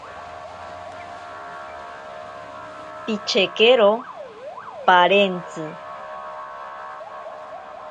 Pichekero parentsi.